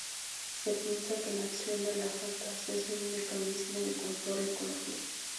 Se piensa que la acción de las ratas es un mecanismo de control ecológico.